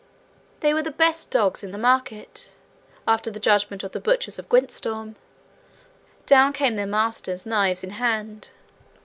They were the best dogs in the market, after the judgement of the butchers of Gwyntystorm. Down came their masters, knives in hand.